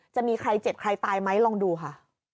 จะมีใครเจ็บใครตายไหมลองดูค่ะ